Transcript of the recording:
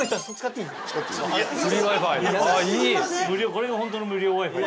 これがほんとの無料Ｗｉ−Ｆｉ。